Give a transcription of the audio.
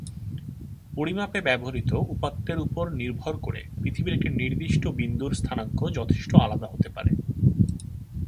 পরিমাপে ব্যবহৃত উপাত্তের উপর নির্ভর করে, পৃথিবীর একটি নির্দিষ্ট বিন্দুর স্থানাঙ্ক যথেষ্ট আলাদা হতে পারে।